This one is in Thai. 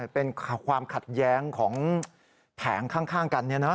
เป็นความขัดแย้งของแผงข้างกัน